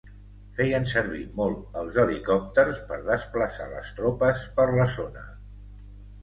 Feien servir molt els helicòpters per desplaçar les tropes per la zona.